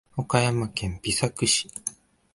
岡山県美作市